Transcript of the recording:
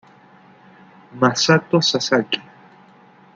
Masato Sasaki